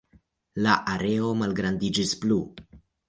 La areo malgrandiĝis plu.